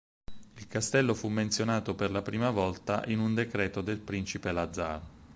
Il castello fu menzionato per la prima volta in un decreto del principe Lazar.